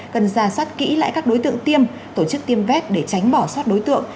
cần ra soát kỹ lại các đối tượng tiêm tổ chức tiêm vét để tránh bỏ sót đối tượng